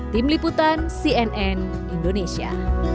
tim liputan cnn indonesia